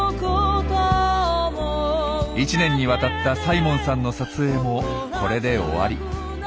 １年にわたったサイモンさんの撮影もこれで終わり。